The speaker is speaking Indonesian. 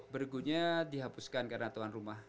bergunya dihapuskan karena tuan rumah